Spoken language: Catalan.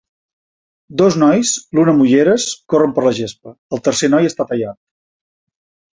Dos nois, l'un amb ulleres, corren per la gespa. El tercer noi està tallat